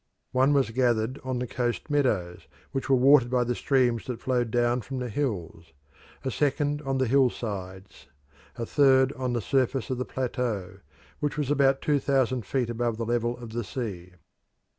One was gathered on the coast meadows, which were watered by the streams that flowed down from the hills; a second on the hill sides; a third on the surface of the plateau, [spelt pleateau in the original text] which was about two thousand feet above the level of the sea.